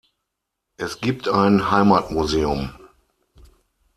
Es gibt ein Heimatmuseum.